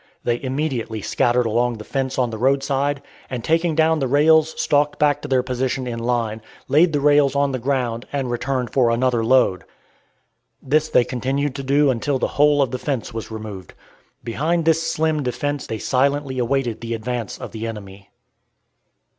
They immediately scattered along the fence on the roadside, and taking down the rails stalked back to their position in line, laid the rails on the ground and returned for another load. This they continued to do until the whole of the fence was removed. Behind this slim defense they silently awaited the advance of the enemy.